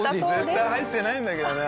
絶対入ってないんだけどね